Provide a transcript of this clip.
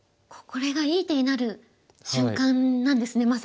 これがいい手になる瞬間なんですね